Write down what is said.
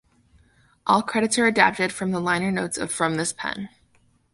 All credits are adapted from the liner notes of "From This Pen".